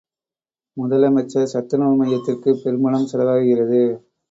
முதலமைச்சர் சத்துணவு மையத்திற்குப் பெரும்பணம் செலவாகிறது.